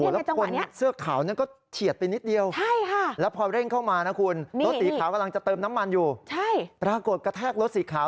แล้วคนเสื้อขาวนั้นก็เฉียดไปนิดเดียวแล้วพอเร่งเข้ามานะคุณรถสีขาวกำลังจะเติมน้ำมันอยู่ปรากฏกระแทกรถสีขาว